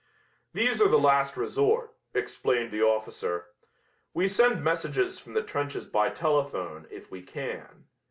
"These are the last resort," explained the officer. "We send messages from the trenches by telephone, if we can.